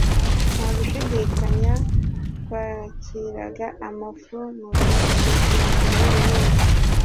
nta gushidikanya twakiraga amafu mu bigunguru binini